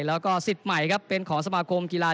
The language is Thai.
แล้วก็สิทธิ์ใหม่ครับเป็นของสมาคมกีฬา